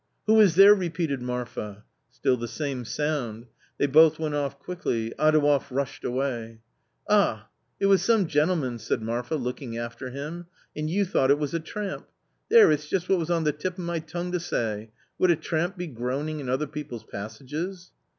" Who is there ?" repeated Marfa. Still the same sound. They both went off quickly. Adouev rushed away. " Ah, it was some gentlemen," said Marfa, looking after him, " and you thought it was a tramp ! There, it's just what was on the tip of my tongue to say ! Would a tramp be groaning in other people's passages